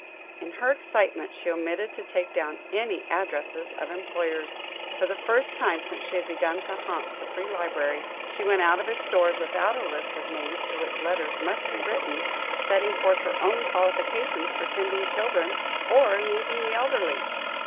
In her excitement, she omitted to take down any addresses of employers; for the first time since she had begun to haunt the Free Library, she went out of its doors without a list of names to which letters must be written, setting forth her own qualifications for tending children, or amusing the elderly.